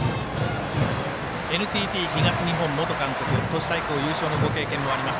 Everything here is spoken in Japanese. ＮＴＴ東日本元監督都市対抗優勝のご経験もあります